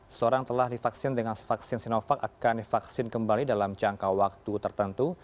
seseorang telah divaksin dengan vaksin sinovac akan divaksin kembali dalam jangka waktu tertentu